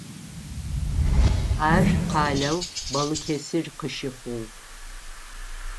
Ар къалэу Балыкэсир къыщыхъугъ.